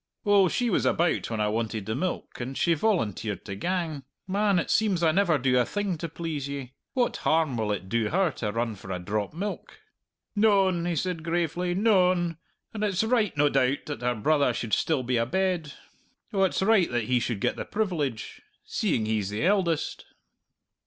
"Oh, she was about when I wanted the milk, and she volunteered to gang. Man, it seems I never do a thing to please ye! What harm will it do her to run for a drop milk?" "Noan," he said gravely, "noan. And it's right, no doubt, that her brother should still be abed oh, it's right that he should get the privilege seeing he's the eldest!"